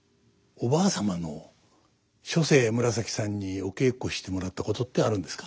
おばあ様の初世紫さんにお稽古してもらったことってあるんですか？